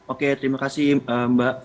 oke terima kasih mbak